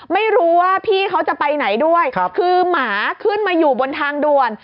ไม่รู้ว่าพี่เขาจะไปไหนด้วยคือหมาขึ้นมาอยู่บนทางด่วน